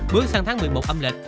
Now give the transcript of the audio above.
bước sang tháng một mươi một âm lịch